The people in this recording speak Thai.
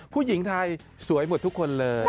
ผู้หญิงไทยสวยหมดทุกคนเลย